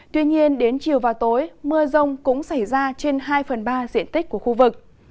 tuy nhiên đến chiều và tối mưa rông cũng xảy ra trên hai phần ba diện tích của khu vực